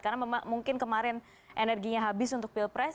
karena mungkin kemarin energinya habis untuk pilpres